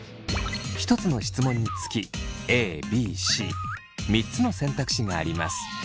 １つの質問につきＡＢＣ３つの選択肢があります。